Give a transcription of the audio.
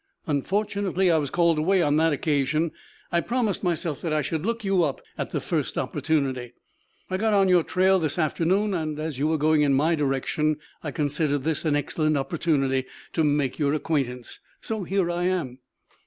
"Unfortunately I was called away on that occasion. I promised myself that I should look you up at the first opportunity. I got on your trail this afternoon and as you were going in my direction I considered this an excellent opportunity to make your acquaintance. So here I am."